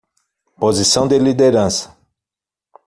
Posição de liderança